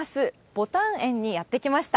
ぼたん園にやって来ました。